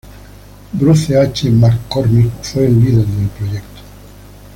Bruce H. McCormick fue el líder del proyecto.